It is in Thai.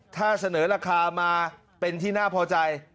ถ้าเสนอราคามาเป็นที่น่าพอใจ